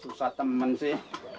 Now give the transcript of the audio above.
susah teman sih